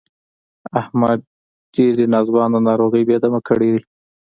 احمد ډېرې ناځوانه ناروغۍ بې دمه کړی دی.